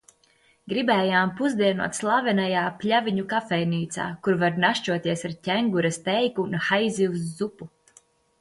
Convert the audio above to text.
Gribējām pusdienot slavenajā Pļaviņu kafejnīcā, kur var našķoties ar ķengura steiku un haizivs zupu.